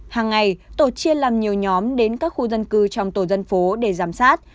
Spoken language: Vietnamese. hàng ngày tổ chia làm nhiều nhóm đến các khu dân cư trong tổ dân phố để giám sát